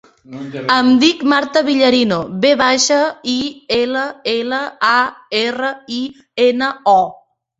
Em dic Marta Villarino: ve baixa, i, ela, ela, a, erra, i, ena, o.